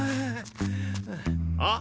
あっ！